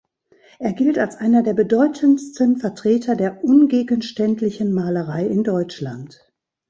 Er gilt als einer der bedeutendsten Vertreter der ungegenständlichen Malerei in Deutschland.